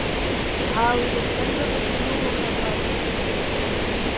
عاود القلب بثه وخباله